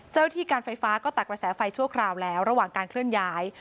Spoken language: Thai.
ที่การไฟฟ้าก็ตักกระแสไฟชั่วคราวแล้วระหว่างการเคลื่อนย้าย